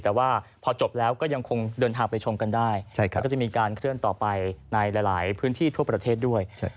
แต่ว่าพอจบแล้วก็ยังคงเดินทางไปชมกันได้แล้วก็จะมีการเคลื่อนต่อไปในหลายพื้นที่ทั่วประเทศด้วย